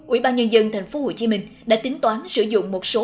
ubnd tp hcm đã tính toán sử dụng một số